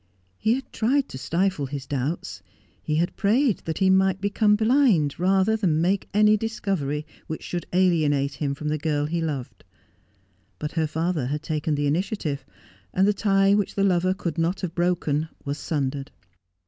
He had tried to stifle his doubts. He had prayed that he might become blind, rather than make any discovery which should alienate him from the girl he loved. But her father had taken the initiative, and the tie which the lover could not have broken was sundered.